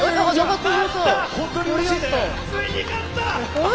ついに勝った！